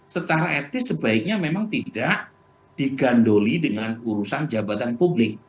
secara etis sebaiknya memang tidak digandoli dengan urusan jabatan publik